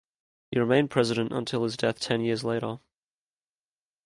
He remained president until his death ten years later.